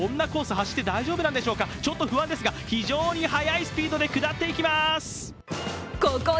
走っても大丈夫なんでしょうか、ちょっと不安ですが、非常に速いスピードで下っていきます。